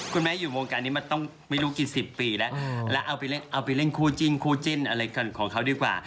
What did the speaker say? แม่อยู่วงการนี้มาต้องไม่รู้กี่สิบปีแล้วแล้วเอาไปเล่นคู่จิ้นคู่จิ้นอะไรของเขาดีกว่า